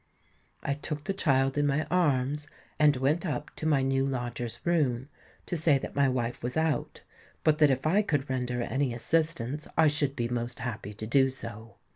I took the child in my arms, and went up to my new lodger's room, to say that my wife was out, but that if I could render any assistance I should be most happy to do so.